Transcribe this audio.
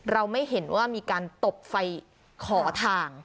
เราไม่เห็นว่ามีการตบไฟขอทาง